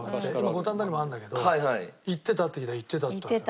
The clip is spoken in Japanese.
五反田にもあるんだけど行ってた？って聞いたら行ってたんだよ。